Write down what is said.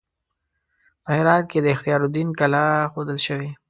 په هرات کې د اختیار الدین کلا ښودل شوې.